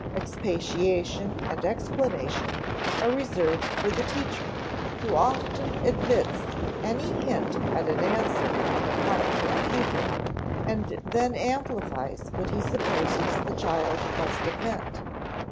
Expatiation and explanation are reserved for the teacher, who often admits any hint at an answer on the part of the pupil, and then amplifies what he supposes the child must have meant.